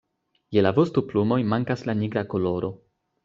Je la vostoplumoj mankas la nigra koloro.